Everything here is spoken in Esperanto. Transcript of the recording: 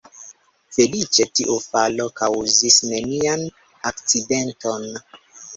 Feliĉe tiu falo kaŭzis nenian akcidenton.